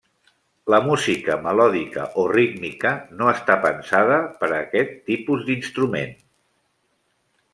La música melòdica o rítmica no està pensada per a aquest tipus d’instrument.